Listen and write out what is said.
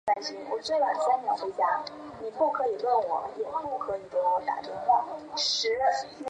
锡帕卡特由埃斯昆特拉省和太平洋所包围。